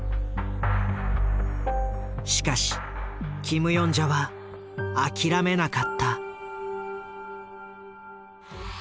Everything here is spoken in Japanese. しかしキム・ヨンジャは諦めなかった。